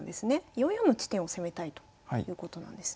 ４四の地点を攻めたいということなんですね。